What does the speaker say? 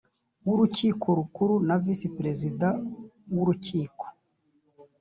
w urukiko rukuru na visi perezida w urukiko